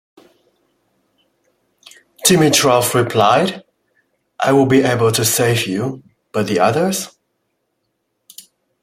Dimitrov replied, I will be able to save you, but the others...?